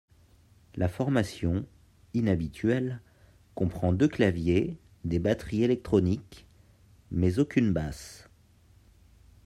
La formation, inhabituelle, comprend deux claviers, des batteries électroniques, mais aucune basse.